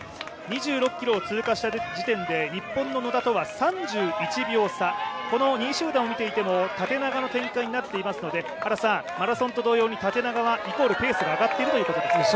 ２６ｋｍを通過した時点で、日本の野田とは３１秒差、この２位集団を見ても縦長の展開になってきていますので、マラソンと同様に縦長はイコールペースが上がっているという状況ですかね。